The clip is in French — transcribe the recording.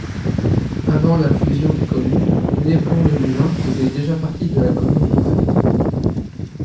Avant la fusion des communes, Néblon-le-Moulin faisait déjà partie de la commune d'Ouffet.